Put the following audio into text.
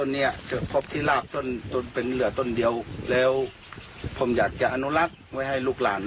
ยิ่งหายากอยู่ต้นเดียวด้วยนะสิ